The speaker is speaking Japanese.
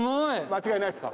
間違いないです。